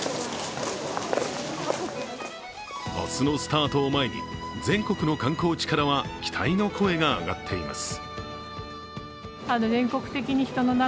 明日のスタートを前に、全国の観光地からは期待の声が上がっています。